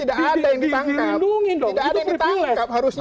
tidak ada yang ditangkap harusnya